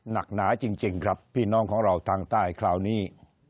หนักหนาจริงครับพี่น้องของเราทางใต้คราวนี้